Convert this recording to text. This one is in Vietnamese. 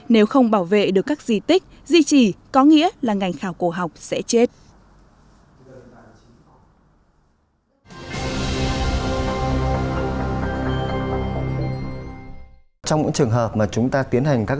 nếu không bảo vệ được các di tích di trì có nghĩa là ngành khảo cổ học sẽ chết